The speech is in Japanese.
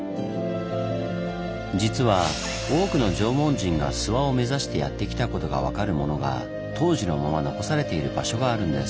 実は多くの縄文人が諏訪を目指してやって来たことが分かるものが当時のまま残されている場所があるんです。